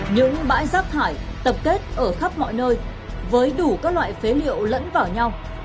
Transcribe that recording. những bãi rác thải tập kết ở khắp mọi nơi với đủ các loại phế liệu lẫn vào nhau